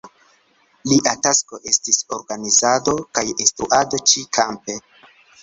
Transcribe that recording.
Lia tasko estis organizado kaj instruado ĉi-kampe.